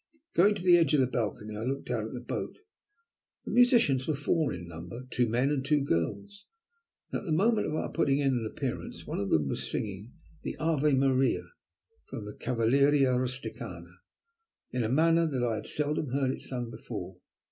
Going to the edge of the balcony I looked down at the boat. The musicians were four in number, two men and two girls, and, at the moment of our putting in an appearance, one of them was singing the "Ave Maria" from the Cavalleria Rusticana, in a manner that I had seldom heard it sung before.